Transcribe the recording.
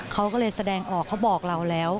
เขาก็เลยแสดงออกเขาบอกเราแล้ว